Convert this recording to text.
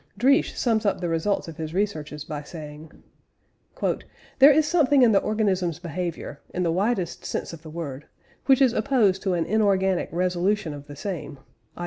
Driesch sums up the results of his researches by saying: "There is something in the organism's behaviour in the widest sense of the word which is opposed to an inorganic resolution of the same (i.